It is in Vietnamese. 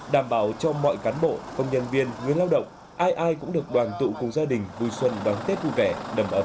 đảm bảo cho mọi cán bộ công nhân viên người lao động ai ai cũng được đoàn tụ cùng gia đình vui xuân đón tết vui vẻ đầm ấm